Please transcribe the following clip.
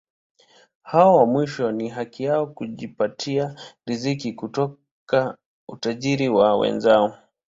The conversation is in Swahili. Hao wa mwisho ni haki yao kujipatia riziki kutoka utajiri wa wenzao.